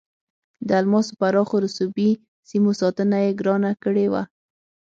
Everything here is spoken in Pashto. د الماسو پراخو رسوبي سیمو ساتنه یې ګرانه کړې وه.